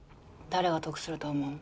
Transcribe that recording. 誰が得すると思う？